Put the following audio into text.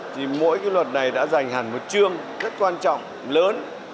thì mỗi cái luật này đã dành hẳn một chương rất quan trọng lớn